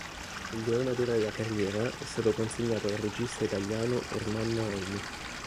Il Leone d'oro alla carriera è stato consegnato al regista italiano Ermanno Olmi.